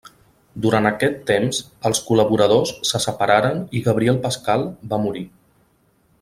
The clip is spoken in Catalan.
Durant aquest temps, els col·laboradors se separaren i Gabriel Pascal va morir.